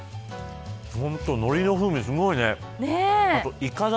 本当のりの風味がすごいね。